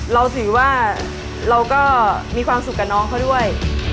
เราถือว่าเราก็มีความสุขกับน้องเขาด้วย